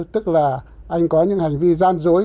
tức là anh có những hành vi gian rối